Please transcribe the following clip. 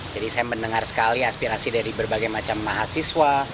jadi saya mendengar sekali aspirasi dari berbagai macam mahasiswa